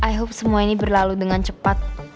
i hope semua ini berlalu dengan cepat